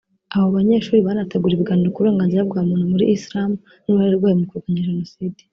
aba banyeshuri banateguriwe ibiganiro ku burenganizra bwa muntu muri Islam n’uruhare rwayo mu kurwanya Jenoside